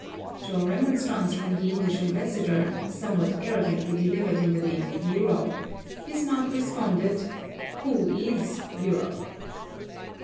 To a remonstrance from the English ambassador, somewhat arrogantly delivered in the name of Europe, Bismarck responded, "Who is Europe?"